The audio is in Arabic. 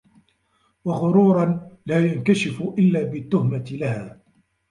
وَغُرُورًا لَا يَنْكَشِفُ إلَّا بِالتُّهْمَةِ لَهَا